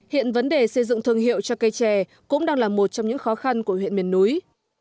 hiện vấn đề xây dựng thương hiệu cho cây chè cũng đang là một trong những khó khăn của huyện miền núi